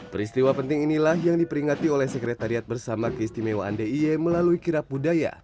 peristiwa penting inilah yang diperingati oleh sekretariat bersama keistimewaan d i e melalui kirap budaya